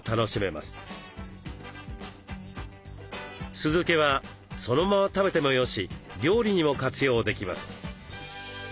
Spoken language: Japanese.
酢漬けはそのまま食べてもよし料理にも活用できます。